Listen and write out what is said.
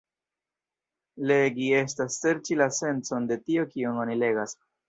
Legi estas serĉi la sencon de tio kion oni legas.